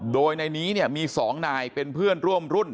โดยในนี้เนี่ยมี๒นายเป็นเพื่อนร่วมรุ่น